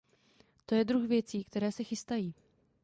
To je druh věcí, které se chystají.